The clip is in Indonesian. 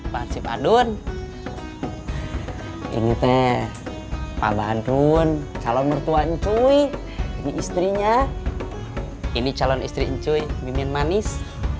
pak arsip adun ini pak badun calon mertua saya ini istrinya ini calon istrinya saya mimin manis